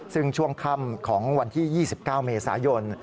ซึ่งช่วงค่ำของวันที่๒๙เมษายน